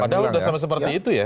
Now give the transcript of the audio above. padahal sudah sama seperti itu ya